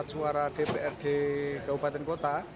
dan juga untuk kpu republik indonesia